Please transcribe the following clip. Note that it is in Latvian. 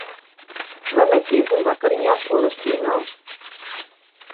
Vai mēs iesim vakariņās un uz kino?